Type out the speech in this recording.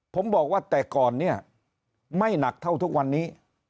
ผมบอกว่าแต่ก่อนเนี่ยไม่หนักเท่าทุกวันนี้